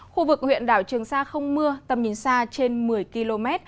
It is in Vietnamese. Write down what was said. khu vực huyện đảo trường sa không mưa tầm nhìn xa trên một mươi km